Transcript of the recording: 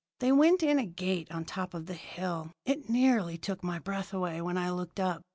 "They went in a gate on top of the hill. It nearly took my breath away when I looked up.